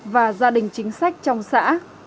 và gia đình chính sách trong xã